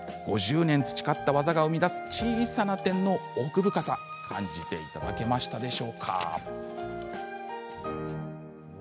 ５０年培った技が生み出す小さな点の奥深さ感じていただけましたか？